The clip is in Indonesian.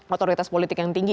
otoritas politik yang tinggi